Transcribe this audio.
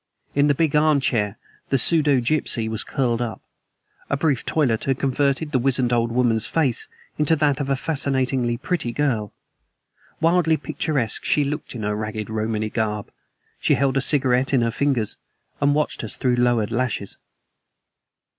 In the big arm chair the pseudogypsy was curled up. A brief toilet had converted the wizened old woman's face into that of a fascinatingly pretty girl. Wildly picturesque she looked in her ragged Romany garb. She held a cigarette in her fingers and watched us through lowered lashes.